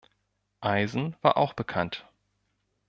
Eisen war auch bekannt.